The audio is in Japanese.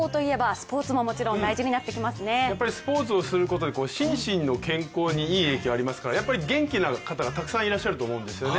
スポーツをすることで心身の健康にいい影響がありますから元気な方がたくさんいらっしゃると思うんですね